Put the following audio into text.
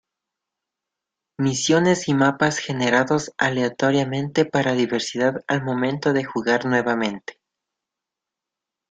Misiones y mapas generados aleatoriamente para diversidad al momento de jugar nuevamente.